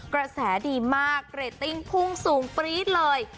กระแสดีมากเรตติ้งพุ่งสูงปรี๊ดเลย